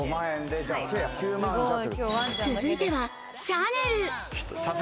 続いては、シャネル。